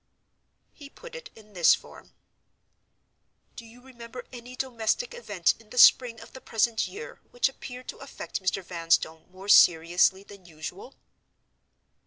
He put it in this form: "Do you remember any domestic event in the spring of the present year which appeared to affect Mr. Vanstone more seriously than usual?"